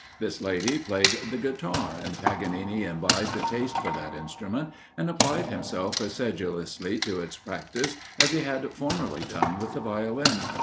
[D] This lady played the Guitar, and Paganini imbibed a taste for that instrument, and applied himself as sedulously to its practice as he had formerly done with the Violin.